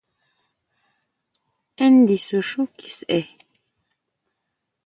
Én ndisú xú kiseʼe!